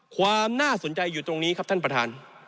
ความน่าสนใจอยู่ตรงนี้ครับท่านประธาน